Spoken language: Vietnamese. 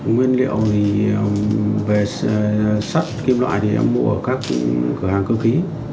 nguyên liệu về sắt kim loại thì em mua ở các cửa hàng cơ khí